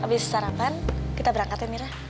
abis sarapan kita berangkat ya mira